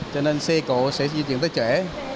cho nên xe cổ sẽ di chuyển tới trễ